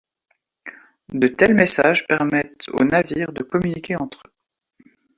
De tels messages permettent aux navires de communiquer entre eux.